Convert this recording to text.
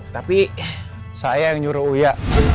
tapi saya yang nyuruh ya